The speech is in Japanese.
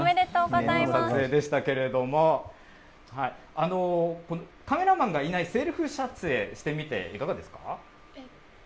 撮影でしたけれども、カメラマンがいないセルフ撮影してみていかがですか？